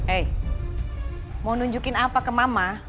eh mau nunjukin apa ke mama